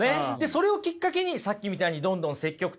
それをきっかけにさっきみたいにどんどんなるほど。